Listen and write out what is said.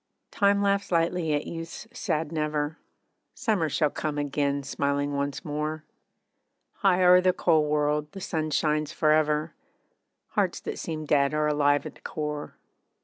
Time laughs lightly at youth's sad 'Never,' Summer shall come again, smiling once more, High o'er the cold world the sun shines for ever, Hearts that seemed dead are alive at the core.